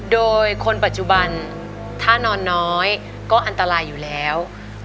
โดยคนปัจจุบันถ้านอนน้อยก็อันตรายอยู่แล้ว